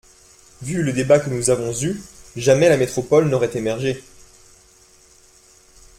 Vu le débat que nous avons eu, jamais la métropole n’aurait émergé.